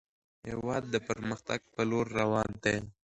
هیواد د پرمختګ په لور روان دی.